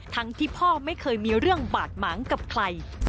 ที่พ่อไม่เคยมีเรื่องบาดหมางกับใคร